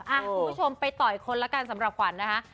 คุณผู้ชมไปต่ออีกคนละกันสำหรับขวัญนะคะ